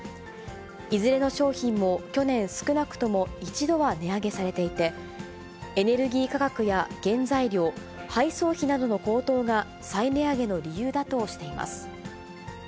いずれの商品も去年、少なくとも１度は値上げされていて、エネルギー価格や原材料、配送費などの高騰が再値上げの理由だとしています。